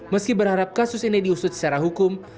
meski berharap kasus ini diusut secara hukum